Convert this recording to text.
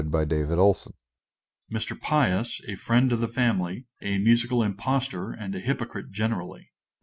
_ MR. PIOUS, _a friend of the family (a musical impostor, and a hypocrite generally).